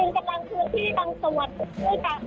คือจะพร้อมคือที่กำรวด